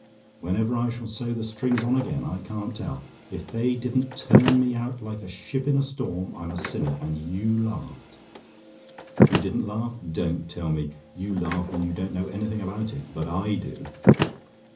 Whenever I shall sew the strings on again, I can't tell. If they didn't turn me out like a ship in a storm, I'm a sinner! And you laughed! "YOU DIDN'T LAUGH? "Don't tell me; you laugh when you don't know anything about it; but I do.